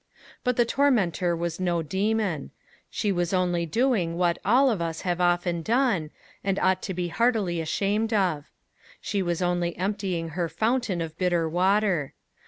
But the tormentor was no demon; she was only doing what all of us have often done, and ought to be heartily ashamed of: she was only emptying her fountain of bitter water.